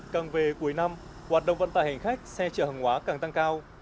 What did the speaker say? càng về cuối năm hoạt động vận tải hành khách xe chở hàng hóa càng tăng cao